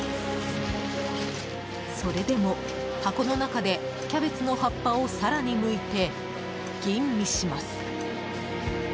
それでも箱の中でキャベツの葉っぱを更にむいて、吟味します。